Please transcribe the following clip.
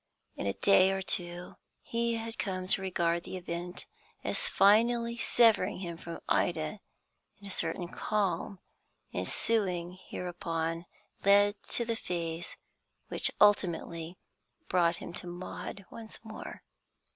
In a day or two he had come to regard the event as finally severing him from Ida, and a certain calm ensuing hereupon led to the phase which ultimately brought him to Maud once more.